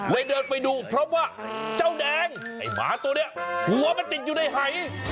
เลยเดินไปดูเพราะว่าเจ้าแดงหัวมันติดอยู่ในไห่